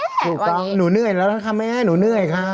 หนูต้องหนูเหนื่อยแล้วนะคะแม่หนูเหนื่อยค่ะ